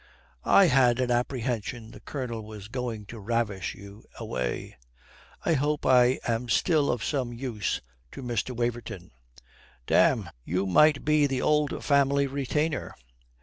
"I had an apprehension the Colonel was going to ravish you away." "I hope I am still of some use to Mr. Waverton." "Damme, you might be the old family retainer.